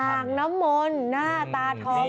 อาห์หน้ามนหน้าตาทอง